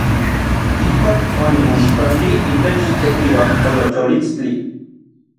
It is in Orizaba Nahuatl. Ijkuak onimoixpantij itech tekiuajolocholistli.